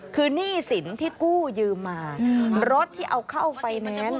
คือหนี้สินที่กู้ยืมมารถที่เอาเข้าไฟแนนซ์